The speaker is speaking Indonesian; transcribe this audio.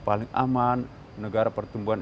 paling aman negara pertumbuhan